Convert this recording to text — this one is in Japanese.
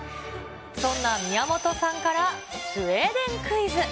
そんな宮本さんから、スウェーデンクイズ。